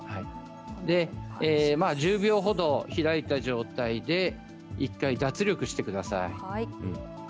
１０秒ほど開いた状態で１回、脱力します。